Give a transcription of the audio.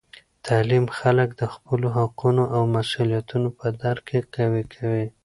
تعلیم خلک د خپلو حقونو او مسؤلیتونو په درک کې قوي کوي.